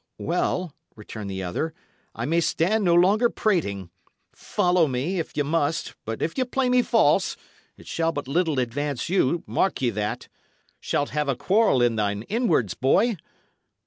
"Well," returned the other, "I may stand no longer prating. Follow me, if ye must; but if ye play me false, it shall but little advance you, mark ye that. Shalt have a quarrel in thine inwards, boy."